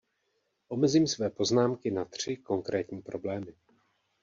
Omezím své poznámky na tři konkrétní problémy.